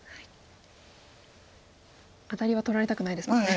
アタリは取られたくないですもんね。